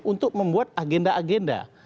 untuk membuat agenda agenda